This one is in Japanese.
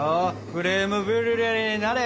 クレームブリュレになれ！